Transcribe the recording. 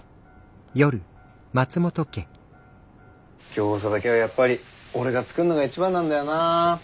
餃子だけはやっぱり俺が作るのが一番なんだよなあ。